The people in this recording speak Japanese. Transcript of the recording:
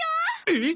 えっ？